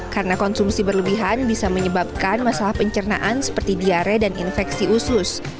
karena konsumsi berlebihan bisa menyebabkan masalah pencernaan seperti diare dan infeksi usus